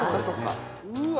うわ！